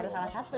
ada salah satu